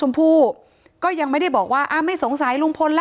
ถ้าใครอยากรู้ว่าลุงพลมีโปรแกรมทำอะไรที่ไหนยังไง